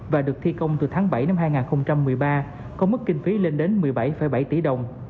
và được thi công từ tháng bảy năm hai nghìn một mươi ba có mức kinh phí lên đến một mươi bảy bảy tỷ đồng